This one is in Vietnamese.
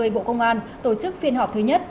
bộ công an tổ chức phiên họp thứ nhất